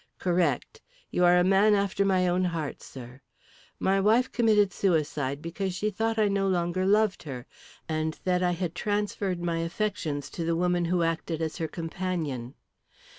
"Correct. You are a man after my own heart, sir. My wife committed suicide because she thought I no longer loved her, and that I had transferred my affections to the woman who acted as her companion.